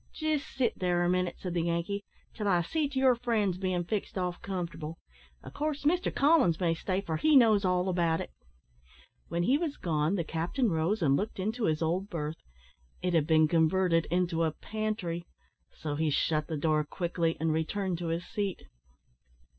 "Jist sit there a minute," said the Yankee, "till I see to your friends bein' fixed off comfortable; of course, Mr Collins may stay, for he knows all about it." When he was gone, the captain rose and looked into his old berth. It had been converted into a pantry, so he shut the door quickly and returned to his seat.